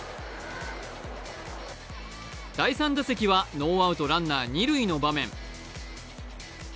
第３打席はノーアウトランナー、二塁の場面。